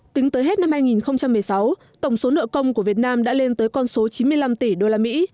tính tới hết năm hai nghìn một mươi sáu tổng số nợ công của việt nam đã lên tới con số chín mươi năm tỷ usd